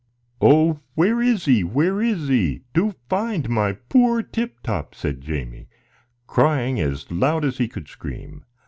"Oh, where is he? where is he? Do find my poor Tip Top," said Jamie, crying as loud as he could scream.